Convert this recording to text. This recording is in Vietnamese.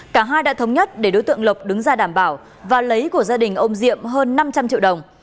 cả hai đã thống nhất để đối tượng lộc đứng ra đảm bảo và lấy của gia đình ông diệm hơn năm trăm linh triệu đồng